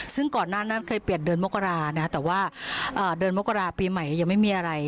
ซึ่งก่อนหน้านั้นเคยเปลี่ยนเดือนมกรานะแต่ว่าเดือนมกราปีใหม่ยังไม่มีอะไร